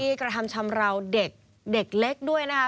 กระทำชำราวเด็กเด็กเล็กด้วยนะคะ